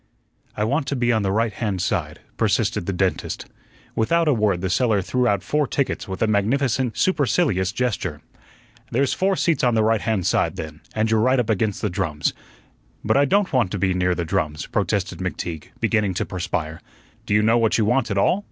"I want to be on the right hand side," persisted the dentist. Without a word the seller threw out four tickets with a magnificent, supercilious gesture. "There's four seats on the right hand side, then, and you're right up against the drums." "But I don't want to be near the drums," protested McTeague, beginning to perspire. "Do you know what you want at all?"